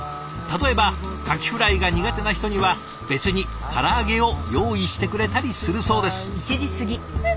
例えばかきフライが苦手な人には別にから揚げを用意してくれたりするそうです。